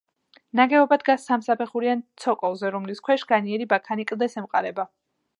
ნაგებობა დგას სამსაფეხურიან ცოკოლზე, რომლის ქვეშ განიერი ბაქანი კლდეს ემყარება.